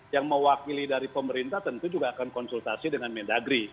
yang mewakili dari pemerintah tentu juga akan konsultasi dengan mendagri